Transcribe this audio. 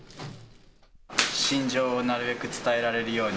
心情をなるべく伝えられるように？